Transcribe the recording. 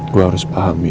gue harus pahami